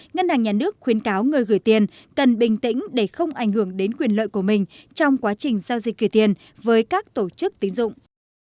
ngân hàng nhà nước khuyến cáo người gửi tiền cần bình tĩnh để không ảnh hưởng đến quyền lợi của mình trong quá trình giao dịch kỳ tiền với các tổ chức tín dụng